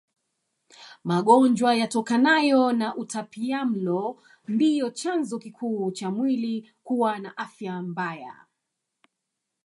Magonjwa yatokanayo na utapiamlo ndio chanzo kikuu cha mwili kuwa na afya mbaya